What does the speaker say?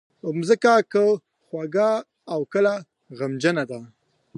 مځکه کله خوږه او کله غمجنه ده.